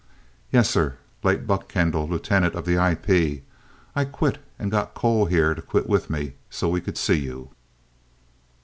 "Yes, sir. Late Buck Kendall, lieutenant of the IP. I quit and got Cole here to quit with me, so we could see you."